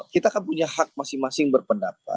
kita kan punya hak masing masing berpendapat